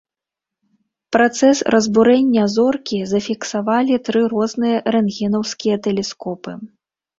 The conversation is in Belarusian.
Працэс разбурэння зоркі зафіксавалі тры розныя рэнтгенаўскія тэлескопы.